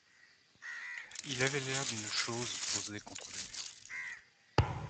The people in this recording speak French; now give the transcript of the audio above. Il avait l’air d’une chose posée contre le mur.